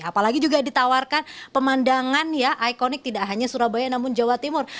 apalagi juga ditawarkan pemandangan ya ikonik tidak hanya surabaya namun jawa timur